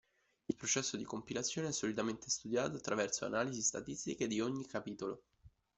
Il processo di compilazione è solitamente studiato attraverso analisi statistiche di ogni capitolo.